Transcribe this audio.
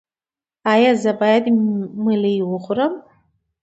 ایا زه باید ملی وخورم؟